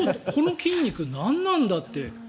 この筋肉何なんだと。